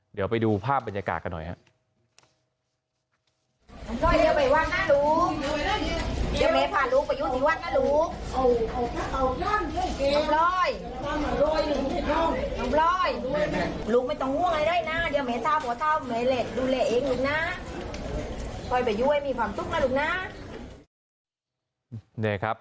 เดี๋ยวไปดูภาพบรรยากาศกันหน่อยครับ